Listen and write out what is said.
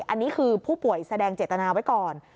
อันนี้คือผู้ป่วยแสดงเจตนาไว้ก่อน